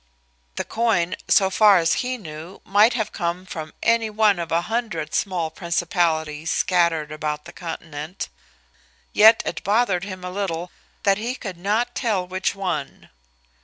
The coin, so far as he knew, might have come from any one of a hundred small principalities scattered about the continent. Yet it bothered him a little that he could not tell which one.